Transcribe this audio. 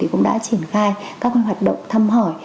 cũng đã triển khai các hoạt động thăm hỏi